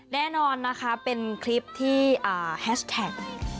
แน่นอนนะคะเป็นคลิปที่แฮชแท็ก